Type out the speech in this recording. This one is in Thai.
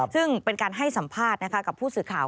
ซึ่งเป็นการให้สัมภาษณ์กับผู้สื่อข่าว